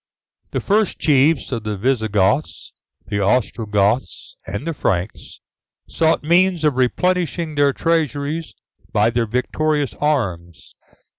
The first chiefs of the Visigoths, the Ostrogoths, and the Franks, sought means of replenishing their treasuries by their victorious arms.